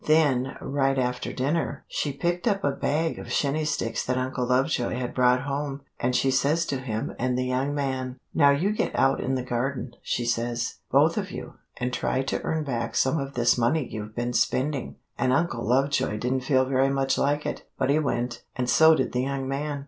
Then, right after dinner, she picked up a bag of shinney sticks that Uncle Lovejoy had brought home, and she says to him and the young man:" "'Now you get out in the garden,' she says, 'both of you, and try to earn back some of this money you've been spending.' And Uncle Lovejoy didn't feel very much like it, but he went, and so did the young man.